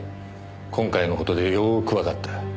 今回の事でよーくわかった。